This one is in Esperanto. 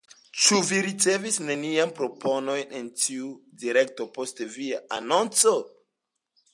Ĉu vi ricevis neniajn proponojn en tiu direkto post via anonco?